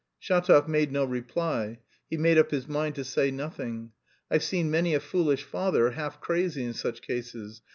Shatov made no reply, he made up his mind to say nothing. "I've seen many a foolish father, half crazy in such cases.